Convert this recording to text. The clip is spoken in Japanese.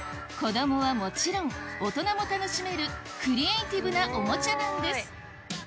子供はもちろん大人も楽しめるクリエーティブなおもちゃなんです